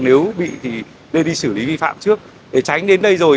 nếu bị thì đưa đi xử lý vi phạm trước để tránh đến đây rồi